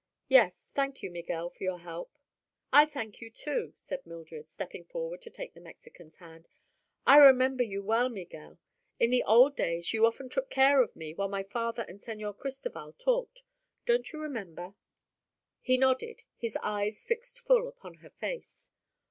"Yes. Thank you, Miguel, for your help." "I thank you, too," said Mildred, stepping forward to take the Mexican's hand. "I remember you well, Miguel. In the old days you often took care of me while my father and Señor Cristoval talked. Don't you remember?" He nodded, his eyes fixed full upon her face.